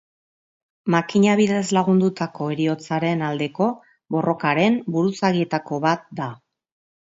Makina bidez lagundutako heriotzaren aldeko borrokaren buruzagietako bat da.